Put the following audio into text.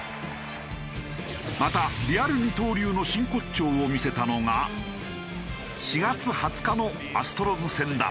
またリアル二刀流の真骨頂を見せたのが４月２０日のアストロズ戦だ。